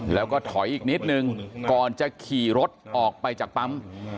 แล้วก็ถอยอีกนิดนึงก่อนจะขี่รถออกไปจากปั๊ม